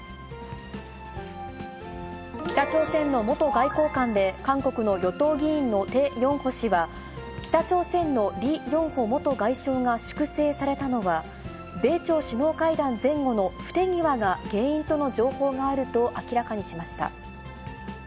北朝鮮の元外交官で、韓国の与党議員のテ・ヨンホ氏は、北朝鮮のリ・ヨンホ元外相が粛清されたのは、米朝首脳会談前後の不手際が原因との情報があると明らかにしました。